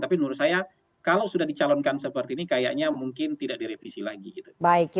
tapi menurut saya kalau sudah dicalonkan seperti ini kayaknya mungkin tidak direvisi lagi gitu